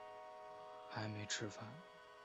还没吃饭